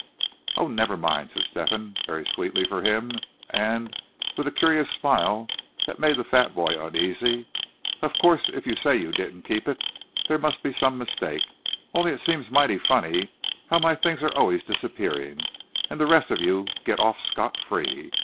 "Oh! never mind," said Step hen, very sweetly, for him, and with a curious smile that made the fat boy uneasy; "of course if you say you didn't keep it, there must be some mistake; only it seems mighty funny how my things are always disappearing, and the rest of you get off scot free.